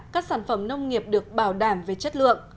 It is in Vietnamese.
các sản phẩm nông nghiệp được bảo đảm về chất lượng